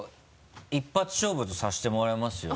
一発勝負とさせてもらいますよ。